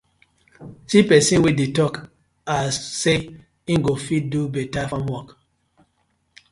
See pesin wey dey tok as say im go fit do betta farm wok.